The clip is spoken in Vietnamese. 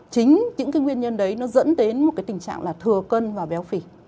chính những nguyên nhân đấy nó dẫn đến một tình trạng là thừa cân và béo phỉ